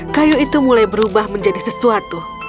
kayu itu mulai berubah menjadi sesuatu